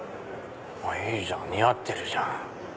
いいじゃん似合ってるじゃん！